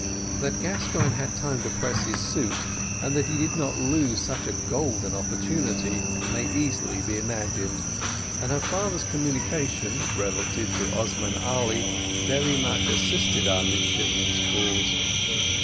That Gascoigne had time to press his suit, and that he did not lose such a golden opportunity, may easily be imagined, and her father's communication relative to Osman Ali very much assisted our midshipman's cause.